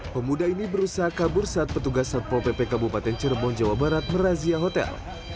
pemuda ini berusaha kabur saat petugas serpo ppk bupaten cirebon jawa barat merazia hotel